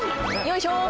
よいしょ！